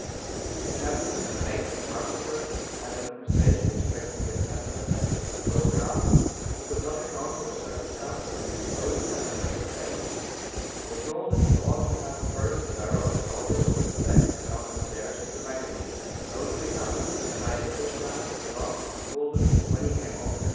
The captain, mate, and carpenter had a conversation respecting the attempt of the latter, to blow her up, who could not account for the circumstance, that an explosion had not taken place; they told him he ought to have burst a barrel of powder over the deck and down the stairs to the magazine, loaded a gun, tied a fish line to the lock and pulled it when he came off in the canoe.